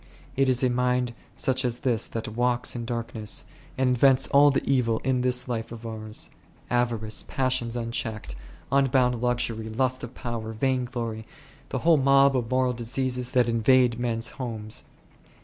It is a mind such as this that " walks in darkness V' and invents all the evil in this life of ours ; avarice, passions unchecked, un bounded luxury, lust of power, vain glory, the whole mob of moral diseases that invade men's homes.